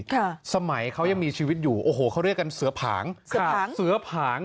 สมัยเขายังมีชีวิตอยู่โอ้โหเขาเรียกกันเสือผางค่ะผางเสือผาง